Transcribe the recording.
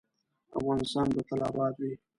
افغانستان به تل اباد وي